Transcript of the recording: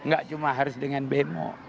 gak cuma harus dengan beno